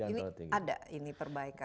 ini ada ini perbaikan